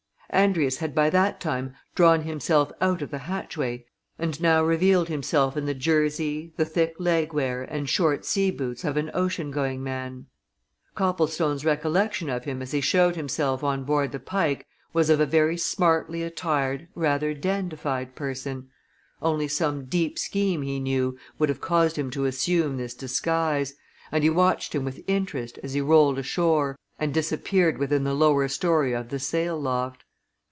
Andrius had by that time drawn himself out of the hatchway and now revealed himself in the jersey, the thick leg wear, and short sea boots of an oceangoing man. Copplestone's recollection of him as he showed himself on board the Pike was of a very smartly attired, rather dandified person only some deep scheme, he knew, would have caused him to assume this disguise, and he watched him with interest as he rolled ashore and disappeared within the lower story of the sail loft.